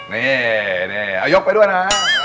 นี่เอายกไปด้วยนะฮะ